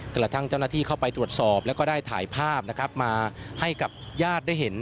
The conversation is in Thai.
กระทั่งเจ้าหน้าที่เข้าไปตรวจสอบแล้วก็ได้ถ่ายภาพนะครับมาให้กับญาติได้เห็น